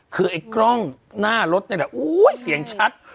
คือไอ้กล้องหน้ารถนี่แหละเสียงชัด